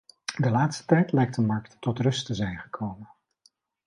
De laatste tijd lijkt de markt tot rust te zijn gekomen.